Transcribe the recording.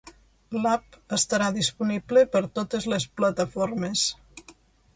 L'app estarà disponible per a totes les plataformes.